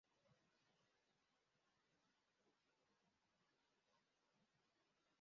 Umukobwa arimo koza umusatsi we wijimye kandi utukura